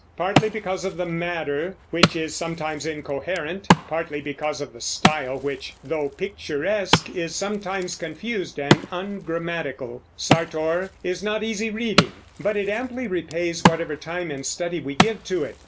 Partly because of the matter, which is sometimes incoherent, partly because of the style, which, though picturesque, is sometimes confused and ungrammatical, Sartor is not easy reading; but it amply repays whatever time and study we give to it.